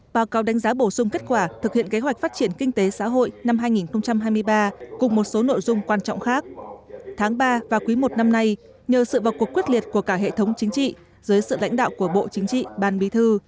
vào cuộc quyết liệt của cả hệ thống chính trị dưới sự lãnh đạo của bộ chính trị ban bí thư